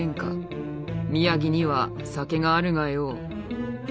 宮城には酒があるがよう。